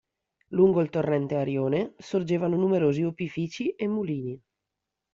Lungo il torrente Arione sorgevano numerosi opifici e mulini.